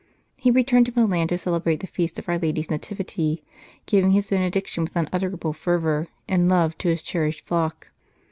He returned to Milan to celebrate the Feast of Our Lady s Nativity, giving his benediction with unutterable fervour and love to his cherished flock.